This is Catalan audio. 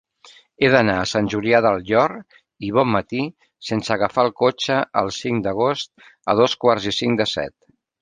He d'anar a Sant Julià del Llor i Bonmatí sense agafar el cotxe el cinc d'agost a dos quarts i cinc de set.